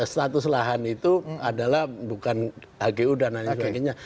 status lahan itu adalah bukan hgu dan lain sebagainya